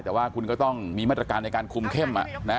แต่ว่าคุณก็ต้องมีมาตรการในการคุมเข้ม